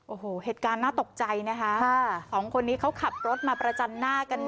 โอ้โหเหตุการณ์น่าตกใจนะคะสองคนนี้เขาขับรถมาประจันหน้ากัน